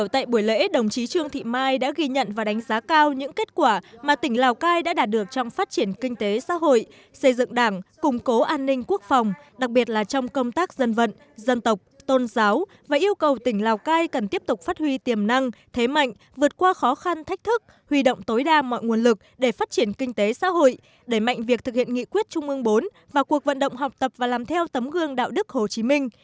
tỉnh quỷ lào cai đã ghi nhận và đánh giá cao những kết quả mà tỉnh lào cai đã đạt được trong phát triển kinh tế xã hội xây dựng đảng củng cố an ninh quốc phòng đặc biệt là trong công tác dân vận dân tộc tôn giáo và yêu cầu tỉnh lào cai cần tiếp tục phát huy tiềm năng thế mạnh vượt qua khó khăn thách thức huy động tối đa mọi nguồn lực để phát triển kinh tế xã hội đẩy mạnh việc thực hiện nghị quyết trung ương bốn và cuộc vận động học tập và làm theo tấm gương đạo đức hồ chí minh